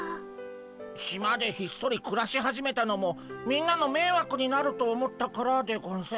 島でひっそりくらし始めたのもみんなのめいわくになると思ったからでゴンス。